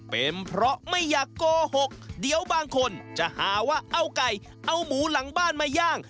เป็นเพราะไม่อยากโกหกเดี๋ยวบางคนจะหาว่าเอาไก่เอาหมูหลังบ้านมาย่าง